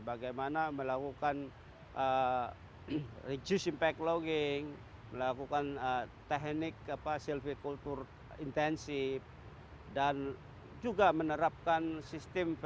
bagaimana melakukan reduce impact logging melakukan teknik silviculture intensive dan juga menerapkan silviculture